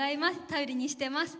頼りにしてます。